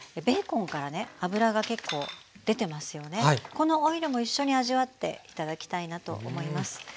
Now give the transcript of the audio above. このオイルも一緒に味わって頂きたいなと思います。